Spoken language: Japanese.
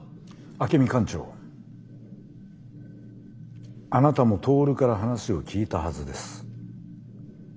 アケミ艦長あなたもトオルから話を聞いたはずです。